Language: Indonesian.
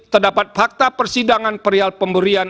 terdapat fakta persidangan perial pemberian